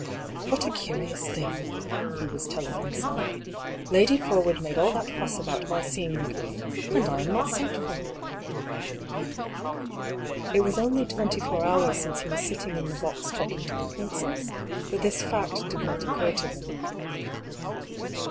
"• What a curious thing," Hugh was telling himself. " Lady Forwood made all that fuss about my seeing the girl — ^and I am not sent for !" It was only twenty four hours since he was sitting in the box talking to the princess, but this fact did not occur to him.